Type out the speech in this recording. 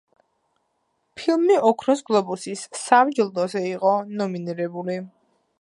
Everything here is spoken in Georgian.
ფილმი ოქროს გლობუსის სამ ჯილდოზე იყო ნომინირებული.